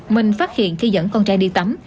mình phát hiện khi dẫn con trăn đi tắm